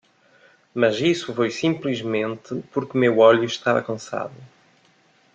Mas isso foi simplesmente porque meu olho estava cansado.